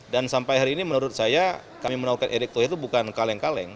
dan sampai hari ini menurut saya kami menawarkan erick thokir itu bukan kaleng kaleng